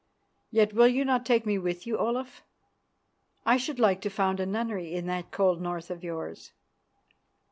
Yet will you not take me with you, Olaf? I should like to found a nunnery in that cold North of yours."